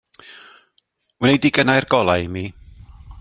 Wnei di gynnau'r golau i mi.